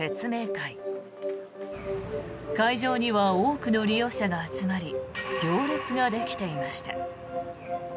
会場には多くの利用者が集まり行列ができていました。